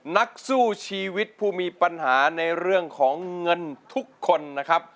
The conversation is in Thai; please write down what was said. นักสู้ชีวิตผู้มีปัญหาในเรื่องของเงินทุกคนนะครับ